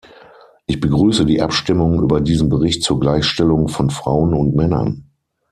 Ich begrüße die Abstimmung über diesen Bericht zur Gleichstellung von Frauen und Männern.